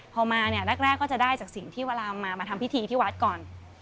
พอมาเนี่ยแรกก็จะได้จากสิ่งที่เวลามาทำพิธีที่วัดก่อน